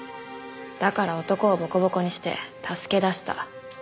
だから男をボコボコにして助け出した。